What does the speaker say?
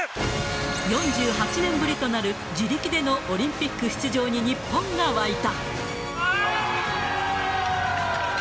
４８年ぶりとなる自力でのオリンピック出場に日本が沸いた。